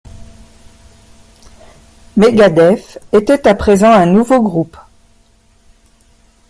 Megadeth était à présent un nouveau groupe.